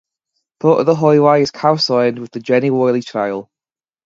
Part of the highway is co-signed with the Jenny Wiley Trail.